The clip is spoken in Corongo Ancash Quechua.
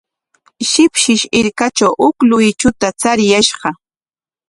Shipshish hirkatraw huk luychuta chariyashqa.